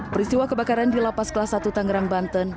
peristiwa kebakaran di lapas kelas satu tangerang banten